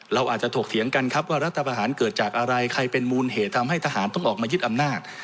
เราอาจจะถกเถียงกันครับว่ารัฐประหารเกิดจากอะไรใครเป็นมูลเหตุทำให้ทหารต้องออกมายึดอำนาจ